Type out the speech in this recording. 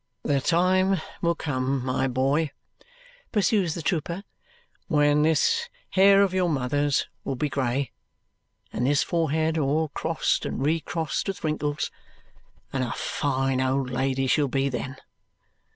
"The time will come, my boy," pursues the trooper, "when this hair of your mother's will be grey, and this forehead all crossed and re crossed with wrinkles, and a fine old lady she'll be then.